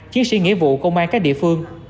chiến sĩ nghĩa vụ công an các địa phương